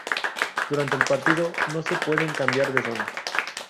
Durante el partido no se pueden cambiar de zona.